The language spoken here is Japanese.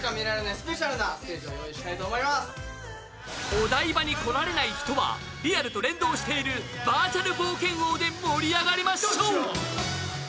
お台場に来られない人はリアルと連動しているバーチャル冒険王で盛り上がりましょう。